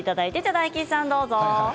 大吉さんどうぞ。